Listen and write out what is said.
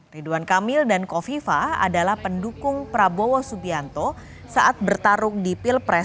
ridwan kamil dan kofifa adalah pendukung prabowo subianto saat bertarung di pilpres dua ribu sembilan belas